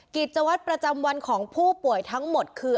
กิจวัตรประจำวันของผู้ป่วยทั้งหมดคือ